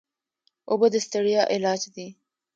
اوبه د ستړیا علاج دي.